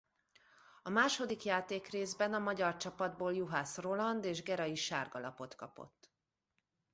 A második játékrészben a magyar csapatból Juhász Roland és Gera is sárga lapot kapott.